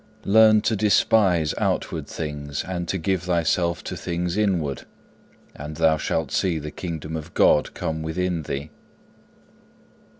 Learn to despise outward things and to give thyself to things inward, and thou shalt see the kingdom of God come within thee.